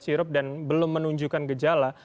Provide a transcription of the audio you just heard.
sirup dan belum menunjukkan gejala